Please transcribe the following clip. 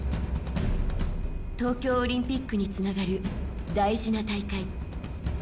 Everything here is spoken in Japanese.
東京オリンピックにつながる大事な大会。